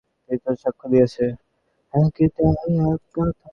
Blogger Ahmed Rajib Haider হত্যা মামলায় গতকাল রোববার আরও তিনজন সাক্ষ্য দিয়েছেন।